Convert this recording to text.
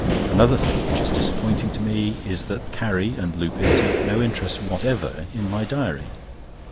Another thing which is disappointing to me is, that Carrie and Lupin take no interest whatever in my diary.